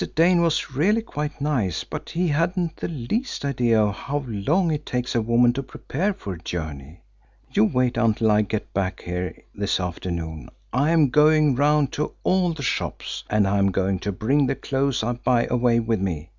Dane was really quite nice, but he hadn't the least idea how long it takes a woman to prepare for a journey. Never mind, you wait until I get back here this afternoon! I am going round to all the shops, and I am going to bring the clothes I buy away with me.